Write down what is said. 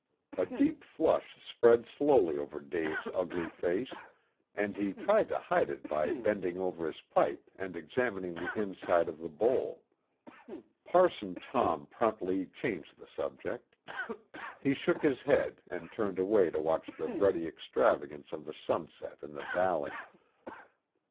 A deep flush spread slowly over Dave's ugly face, and he tried to hide it by bending over his pipe and examining the inside of the bowl. Parson Tom promptly changed the subject. He shook his head and turned away to watch the ruddy extravagance of the sunset in the valley.